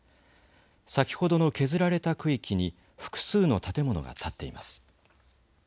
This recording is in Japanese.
先ほどの削られた区域に複数の建物が建っています。